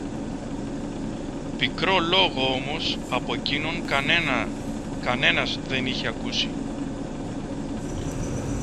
Πικρό λόγο όμως από κείνον κανένας δεν είχε ακούσει